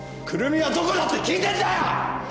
来美はどこだって聞いてんだよ‼